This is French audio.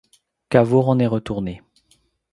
Cavour en est retourné.